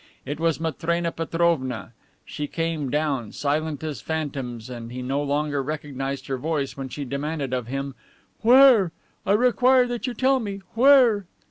It was Matrena Petrovna. She came down, silent as a phantom and he no longer recognized her voice when she demanded of him, "Where? I require that you tell me. Where?"